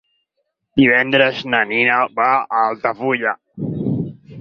Divendres na Nina va a Altafulla.